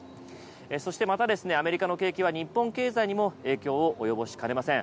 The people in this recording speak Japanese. そしてまたですねアメリカの景気は日本経済にも影響を及ぼしかねません。